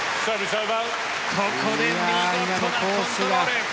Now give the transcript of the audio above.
ここで見事なコントロール。